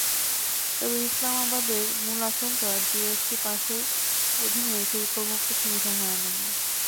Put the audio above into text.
তবে ইসলামাবাদের মূল আশঙ্কা, জিএসপি পাসের অধীনে শুল্কমুক্ত সুবিধা হারানো নিয়ে।